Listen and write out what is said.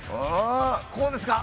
こうですか？